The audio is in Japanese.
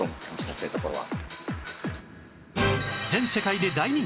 そういうところは。